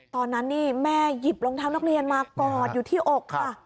ตอนนั้นนี่แม่หยิบรองเท้านักเรียนมากอดอยู่ที่อกค่ะ